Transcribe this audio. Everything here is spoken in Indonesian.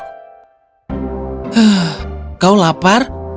huh kau lapar